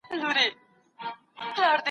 خامخا یې کر د قناعت ثمر را وړی دی